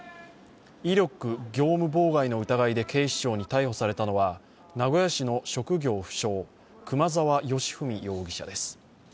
威力業務妨害の疑いで警視庁に逮捕されたのは名古屋市の職業不詳熊沢良文容疑者です。